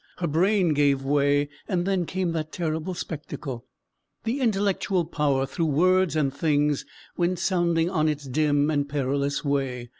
Her brain gave way, and then came that terrible spectacle "The intellectual power, through words and things, Went sounding on its dim and perilous way."